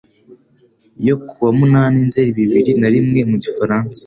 yo ku wa munani Nzeri bibiri na rimwe mu gifaransa.